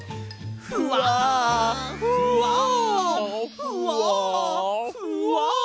ふわふわふわふわ。